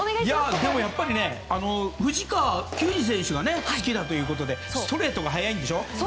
でもやっぱり藤川球児選手が好きだということでストレートが速いんでしょ。